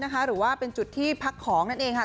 หรือว่าเป็นจุดที่พักของนั่นเองค่ะ